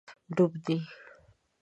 ډوب دی